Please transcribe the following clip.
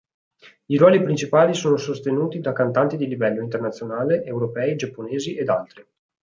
I ruoli principali sono sostenuti da cantanti di livello internazionale, europei, giapponesi ed altri.